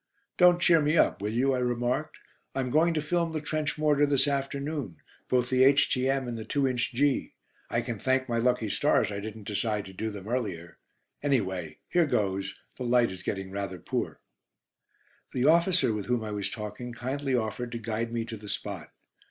"Don't cheer me up, will you?" I remarked. "I'm going to film the trench mortar this afternoon, both the H.T.M. and the 2 inch Gee. I can thank my lucky stars I didn't decide to do them earlier. Anyway, here goes; the light is getting rather poor." The officer with whom I was talking kindly offered to guide me to the spot.